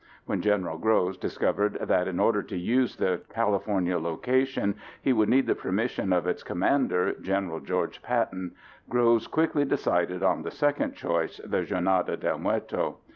When General Groves discovered that in order to use the California location he would need the permission of its commander, General George Patton, Groves quickly decided on the second choice, the Jornada del Muerto.